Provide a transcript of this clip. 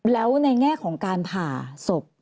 แล้วในแง่ของการผ่าศพ